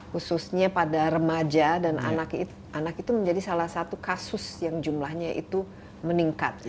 khususnya pada remaja dan anak itu menjadi salah satu kasus yang jumlahnya itu meningkat